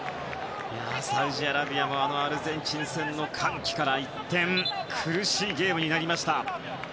サウジアラビアもアルゼンチン戦の歓喜から一転苦しいゲームになりました。